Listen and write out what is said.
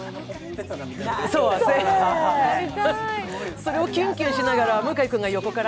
それをキュンキュンしながら向井君が横から。